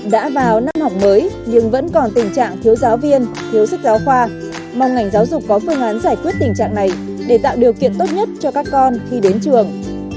đã vào năm học mới nhưng vẫn còn tình trạng thiếu giáo viên thiếu sách giáo khoa mong ngành giáo dục có phương án giải quyết tình trạng này để tạo điều kiện tốt nhất cho các con khi đến trường